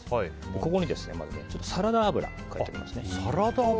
ここにサラダ油を加えていきますね。